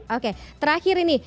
oke terakhir ini